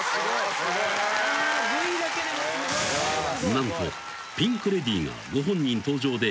［何とピンク・レディーがご本人登場で］